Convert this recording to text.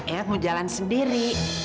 eyang mau jalan sendiri